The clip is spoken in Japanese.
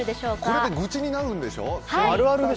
これで愚痴になるんでしょ？